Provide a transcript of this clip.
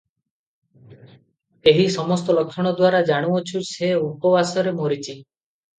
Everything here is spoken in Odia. ଏହି ସମସ୍ତ ଲକ୍ଷଣ ଦ୍ୱାରା ଜାଣୁଅଛୁଁ, ସେ ଉପବାସରେ ମରିଚି ।